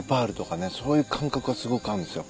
そういう感覚がすごくあるんですよ。